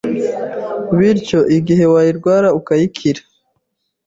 Bityo, igihe wayirwara ukayikira